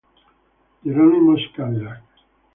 Geronimo's Cadillac